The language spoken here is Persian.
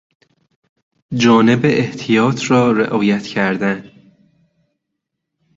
جانب احتیاط را رعایت کردن